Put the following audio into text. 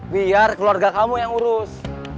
biar keluarga kamu yang urus